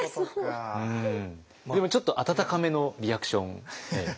でもちょっと温かめのリアクション。